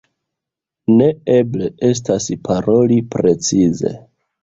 Neeble estas paroli precize.